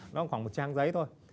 nó khoảng một trang giấy thôi